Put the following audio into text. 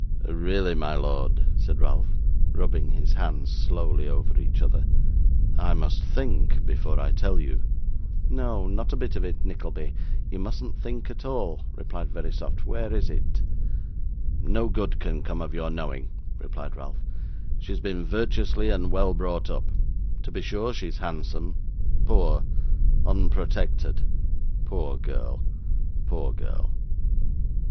'Really, my lord,' said Ralph, rubbing his hands slowly over each other, 'I must think before I tell you.' 'No, not a bit of it, Nickleby; you mustn't think at all,' replied Verisopht. 'Where is it?' 'No good can come of your knowing,' replied Ralph. 'She has been virtuously and well brought up; to be sure she is handsome, poor, unprotected! Poor girl, poor girl.